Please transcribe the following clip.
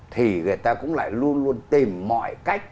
thì người ta cũng lại luôn luôn tìm mọi cách